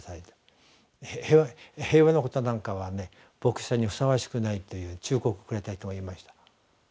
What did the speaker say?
平和のことなんかは牧師さんにふさわしくない」という忠告をくれた人がいました。